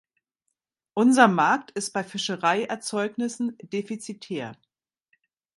Unser Markt ist bei Fischereierzeugnissen defizitär.